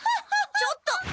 ちょっと。